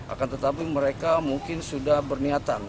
akan tetapi mereka mungkin sudah berniatan